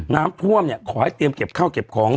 น้ำท่วมเนี่ยขอให้เตรียมเก็บข้าวเก็บของ